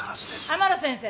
天野先生。